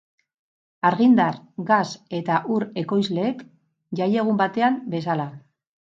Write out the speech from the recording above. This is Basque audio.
Argindar, gas eta ur ekoizleek jaiegun batean bezala.